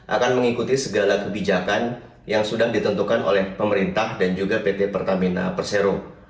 akan mengikuti segala kebijakan yang sudah ditentukan oleh pemerintah dan juga pt pertamina persero